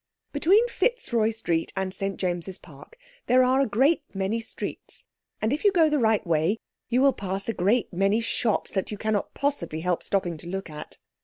Between Fitzroy Street and St James's Park there are a great many streets, and, if you go the right way you will pass a great many shops that you cannot possibly help stopping to look at.